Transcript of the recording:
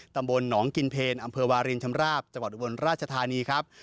ตำบลหนองกินเพลอำเภอวารินชำราบจังหวัดอุบลราชธานีครับ